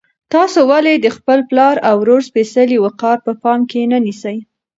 تاسو ولې د خپل پلار او ورور سپېڅلی وقار په پام کې نه نیسئ؟